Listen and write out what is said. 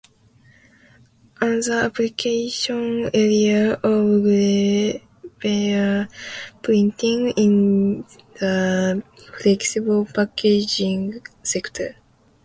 Another application area of gravure printing is in the flexible-packaging sector.